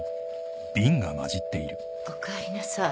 おかえりなさい。